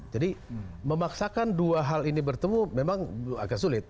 jadi memaksakan dua hal ini bertemu memang agak sulit